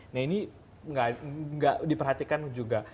nah ini nggak diperhatikan juga